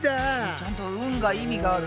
ちゃんと「うん」が意味がある。